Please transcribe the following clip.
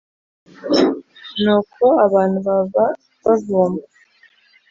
Ni uko abantu baba bavumba